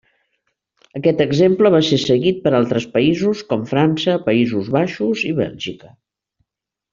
Aquest exemple va ser seguit per altres països, com França, Països Baixos i Bèlgica.